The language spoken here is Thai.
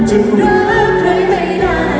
จะรักเลยไม่ได้